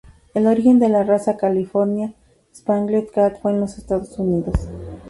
El origen de la raza California Spangled cat fue en los Estados Unidos.